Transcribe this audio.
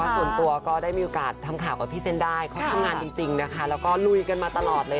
เบอร์โทรตัวก็ได้มีโอกาสทำข่าวกับพี่เซ่นได้เค้าทำงานจริงแล้วลุยกันมาตลอดเลย